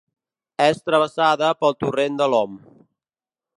És travessada pel torrent de l'Om.